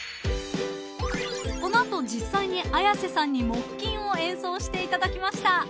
［この後実際に綾瀬さんに木琴を演奏していただきました］